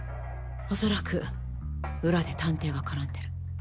おそらく裏で探偵が絡んでる。